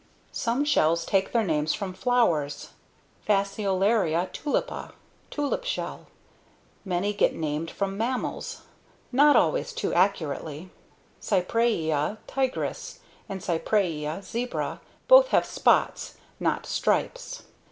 Some shells take their names from flowers: FASCIOLARIA TULIPA, Tulip Shell. Many get named from mammals not always too accurately. CYPRAEA TIGRIS and CYPRAEA ZEBRA both have spots, not stripes.